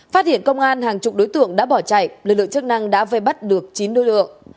phát hiện công an hàng chục đối tượng đã bỏ chạy lực lượng chức năng đã vây bắt được chín đối tượng